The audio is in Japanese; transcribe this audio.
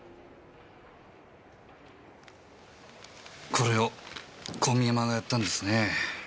これを小見山がやったんですね。